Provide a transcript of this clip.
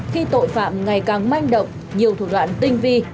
khi tội phạm ngày càng manh động nhiều thủ đoạn tinh vi